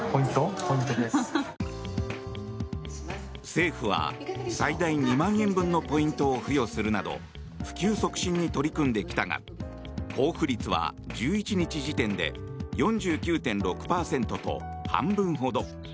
政府は最大２万円分のポイントを付与するなど普及促進に取り組んできたが交付率は１１日時点で４９．６％と半分ほど。